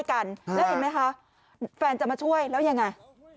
แล้วเห็นไหมคะแฟนจะมาช่วยแล้วยังไง